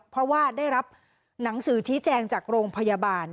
เพราะว่าได้รับหนังสือชี้แจงจากโรงพยาบาล